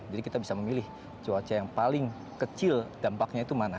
jadi kita bisa memilih cuaca yang paling kecil dampaknya itu mana